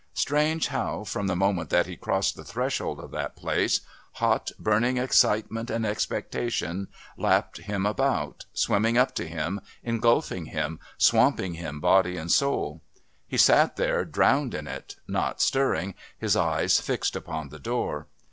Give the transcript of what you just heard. Strange how, from the moment that he crossed the threshold of that place, hot, burning excitement and expectation lapped him about, swimming up to him, engulfing him, swamping him body and soul. He sat there drowned in it, not stirring, his eyes fixed upon the door.